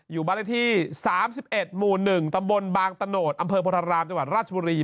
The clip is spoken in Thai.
อยู่บ้านเลขที่๓๑หมู่๑ตำบลบางตะโนธอำเภอโพธารามจังหวัดราชบุรี